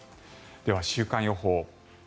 では、週間予報。